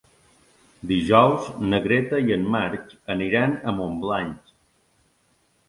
Dijous na Greta i en Marc aniran a Montblanc.